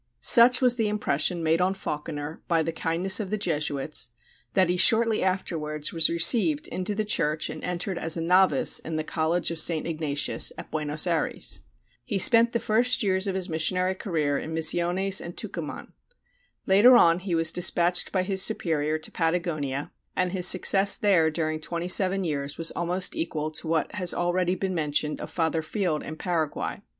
Such was the impression made on Falkiner by the kindness of the Jesuits that he shortly afterwards was received into the Church and entered as a novice in the College of St. Ignatius at Buenos Ayres. He spent the first years of his missionary career in Misiones and Tucuman. Later on he was despatched by his superior to Patagonia, and his success there during 27 years was almost equal to what has already been mentioned of Father Field in Paraguay.